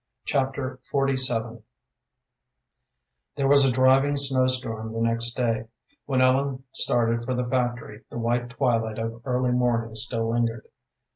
Chapter XLVII There was a driving snow storm the next day. When Ellen started for the factory the white twilight of early morning still lingered.